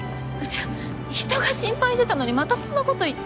ちょ人が心配してたのにまたそんなこと言って。